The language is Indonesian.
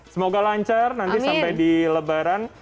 semoga lancar nanti sampai di lebaran